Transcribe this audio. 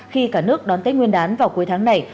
khi cả nước đón tết nguyên đán vào cuối tháng này